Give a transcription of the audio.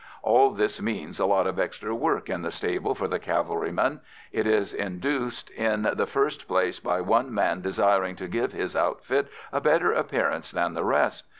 All this means a lot of extra work in the stable for the cavalryman; it is induced in the first place by one man desiring to give his outfit a better appearance than the rest.